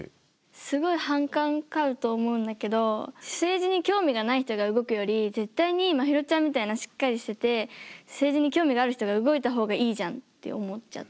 すごい反感買うと思うんだけど政治に興味がない人が動くより絶対にまひろちゃんみたいなしっかりしてて政治に興味のある人が動いた方がいいじゃんって思っちゃって。